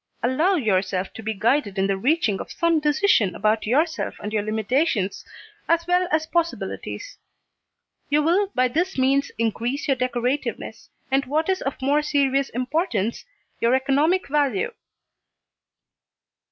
Allow yourself to be guided in the reaching of some decision about yourself and your limitations, as well as possibilities. You will by this means increase your decorativeness, and what is of more serious importance, your economic value.